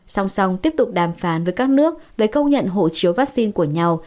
song song tiếp tục đàm phán với các nước về công nhận hộ chiếu vaccine của nhau